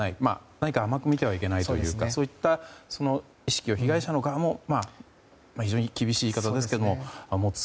何か甘く見てはいけないというかそういった意識を被害者の側も非常に厳しい言い方ですけど持つ。